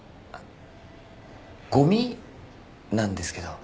あっごみなんですけど。